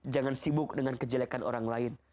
jangan sibuk dengan kejelekan orang lain